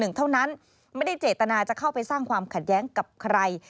เท่านั้นไม่ได้เจตนาจะเข้าไปสร้างความขัดแย้งกับใคร